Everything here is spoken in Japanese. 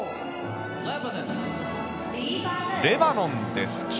レバノンです。